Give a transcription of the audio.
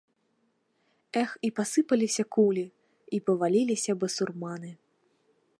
Эх, і пасыпаліся кулі, і паваліліся басурманы.